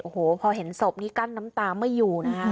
โอ้โหพอเห็นศพนี้กั้นน้ำตาไม่อยู่นะคะ